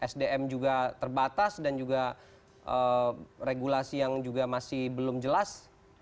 sdm juga terbatas dan juga regulasi yang juga masih belum jelas